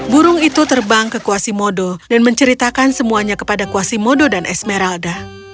burung itu terbang ke quasimodo dan menceritakan semuanya kepada quasimodo dan esmeralda